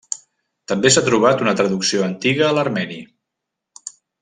També s'ha trobat una traducció antiga a l'armeni.